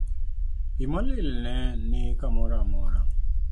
Pi molil ne ni kamoro amora.